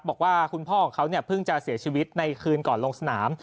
บอกว่าคุณพ่อของเขาเนี่ยเพิ่งจะเสียชีวิตในคืนก่อนลงสนาม